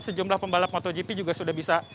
sejumlah pembalap motogp juga sudah bisa